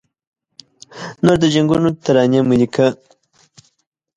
نور د جنګونو ترانې مه لیکه